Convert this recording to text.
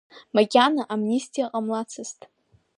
Макьана амнистиа ҟамлацызт…